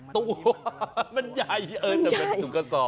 ตัวมันใหญ่เออแต่มันถุงกระสอบ